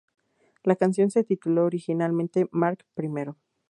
La canción se tituló originalmente "Mark I".